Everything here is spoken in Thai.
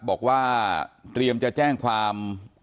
บอกว่าเตรียมจะแจ้งความ